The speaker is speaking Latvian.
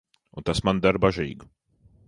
Un tas mani dara bažīgu.